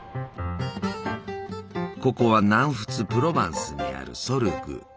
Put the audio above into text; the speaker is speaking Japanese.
ここは南仏プロヴァンスにあるソルグ。